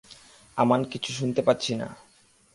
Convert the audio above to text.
আমান আমি কিছু শুনতে পাচ্ছি না।